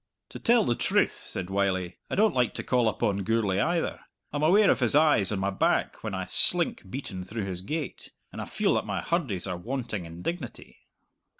"To tell the truth," said Wylie, "I don't like to call upon Gourlay either. I'm aware of his eyes on my back when I slink beaten through his gate, and I feel that my hurdies are wanting in dignity!"